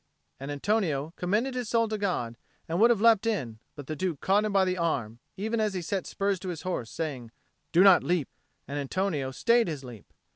And Antonio commended his soul to God, and would have leapt in; but the Duke caught him by the arm even as he set spurs to his horse, saying, "Do not leap." And Antonio stayed his leap.